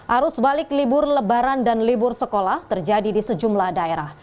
arus balik libur lebaran dan libur sekolah terjadi di sejumlah daerah